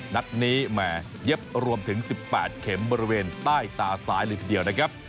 นัดนี้แหม่เย็บรวมถึง๑๘เข็มบริเวณใต้ตาซ้ายเลยทีเดียวนะครับ